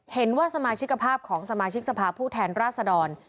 เห็นว่าสมาชิกภาพของสมาชิกสภาพผู้แทนราษดร